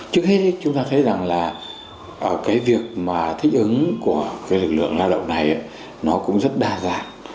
trước hết chúng ta thấy rằng là cái việc mà thích ứng của cái lực lượng lao động này nó cũng rất đa dạng